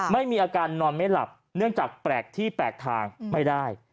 ไม่มีอาการนอนไม่หลับเนื่องจากแปลกที่แปลกทางไม่ได้